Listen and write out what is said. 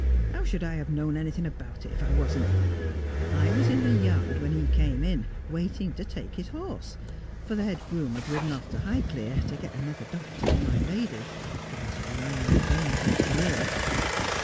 ' How should I have known anything about it if I wasn't 1 I was in the yard when he came in, waiting to take his horse ; for the head groom had ridden off to Highclere, to get another doctor for my lady, who was lying dangerously ill.